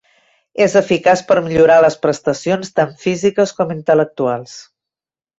És eficaç per millorar les prestacions tant físiques com intel·lectuals.